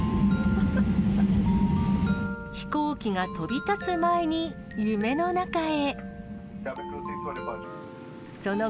飛行機が飛び立つ前に夢の中へ。